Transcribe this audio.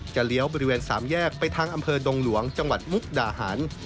เลี้ยวบริเวณสามแยกไปทางอำเภอดงหลวงจังหวัดมุกดาหาร